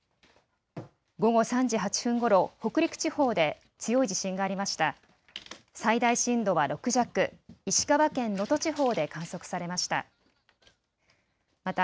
午後３時８分ごろ北陸地方で強い地震がありました。